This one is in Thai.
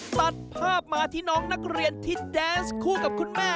ตัดภาพมาที่น้องนักเรียนที่แดนส์คู่กับคุณแม่